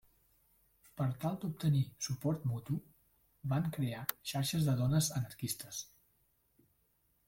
Per tal d'obtenir suport mutu, van crear xarxes de dones anarquistes.